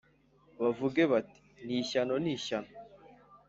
bavuge bati “Ni ishyano, ni ishyano!